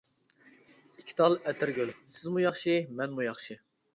ئىككى تال ئەتىرگۈل-سىزمۇ ياخشى، مەنمۇ ياخشى.